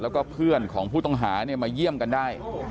แล้วก็เพื่อนของผู้ต้องหาเนี่ยมาเยี่ยมกันได้